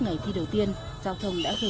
ngày thi đầu tiên giao thông đã gây